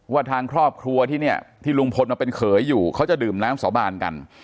ทางครอบครัวที่เนี่ยที่ลุงพลมาเป็นเขยอยู่เขาจะดื่มน้ำสาบานกัน